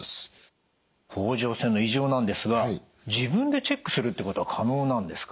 甲状腺の異常なんですが自分でチェックするってことは可能なんですか？